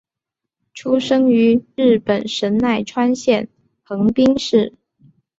出生于日本神奈川县横滨市。